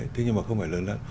thế nhưng mà không phải lớn lắm